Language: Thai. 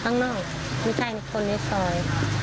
ข้างนอกไม่ใช่คนในซอย